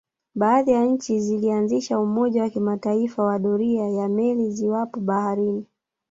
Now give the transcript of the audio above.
Baadhi ya nchi zilianzisha umoja wa kimataifa wa doria ya meli ziwapo baharini